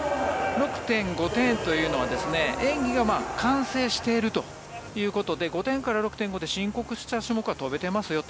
６．５点というのは演技が完成しているということで５点から６点で申告した種目は飛べていますよと。